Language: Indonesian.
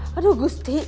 hah aduh gusti